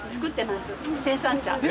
生産者。